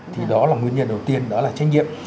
thì đó là nguyên nhân đầu tiên đó là trách nhiệm